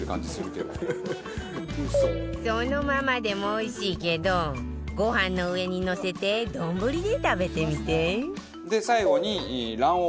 そのままでもおいしいけどご飯の上にのせて丼で食べてみて